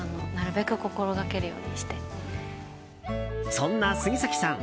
そんな杉咲さん